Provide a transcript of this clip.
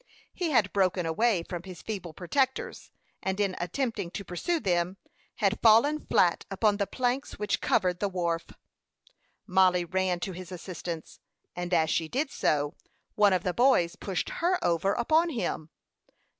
He had broken away from his feeble protectors, and in attempting to pursue them, had fallen flat upon the planks which covered the wharf. Mollie ran to his assistance; and as she did so, one of the boys pushed her over upon him.